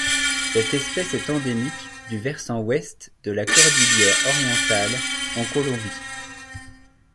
Cette espèce est endémique du versant Ouest de la cordillère Orientale en Colombie.